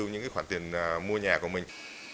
những cái khoản tiền mua nhà của mình